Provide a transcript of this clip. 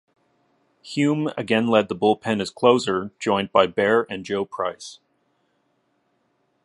Hume again led the bullpen as closer, joined by Bair and Joe Price.